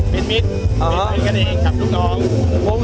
เป็นมิตรมิตรเป็นกับลูกน้อง